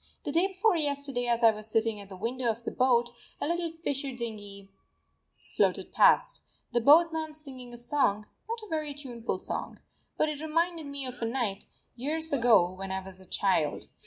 The day before yesterday, as I was sitting at the window of the boat, a little fisher dinghy floated past, the boatman singing a song not a very tuneful song. But it reminded me of a night, years ago, when I was a child.